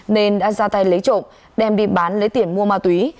nên đã ra tay lấy trộm đem đi bán lấy tiền mua ma túy